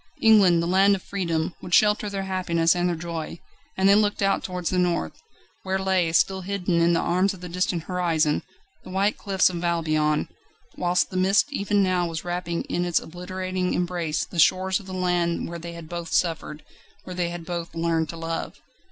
England, the land of freedom, would shelter their happiness and their joy; and they looked out towards the North, where lay, still hidden in the arms of the distant horizon, the white cliffs of Albion, whilst the mist even now was wrapping in its obliterating embrace the shores of the land where they had both suffered, where they had both learned to love.